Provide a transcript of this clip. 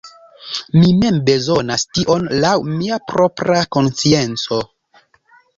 Mi mem bezonas tion laŭ mia propra konscienco.